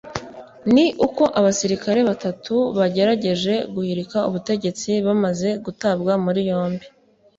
ni uko abasirikare babatu bagerageje guhirika ubutegetsi bamaze gutabwa muri yombi